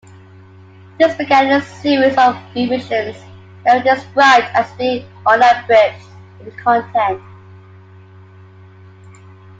This began a series of revisions that were described as being "unabridged" in content.